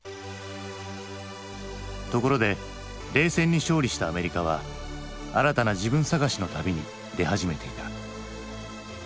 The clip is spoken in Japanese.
ところで冷戦に勝利したアメリカは新たな自分探しの旅に出始めていた。